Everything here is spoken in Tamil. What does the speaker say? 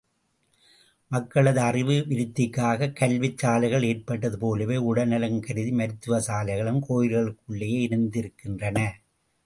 மக்களது அறிவு விருத்திக்குக் கல்விச் சாலைகள் ஏற்பட்டது போலவே உடல் நலம் கருதி, மருத்துவ சாலைகளும், கோயில்களுக்குள்ளேயே இருந்திருக்கின்றன.